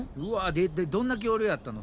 でどんな恐竜やったの？